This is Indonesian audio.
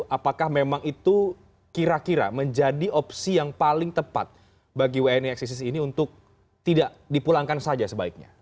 apakah memang itu kira kira menjadi opsi yang paling tepat bagi wni eksisis ini untuk tidak dipulangkan saja sebaiknya